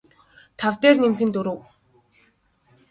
тав дээр нэмэх нь дөрөв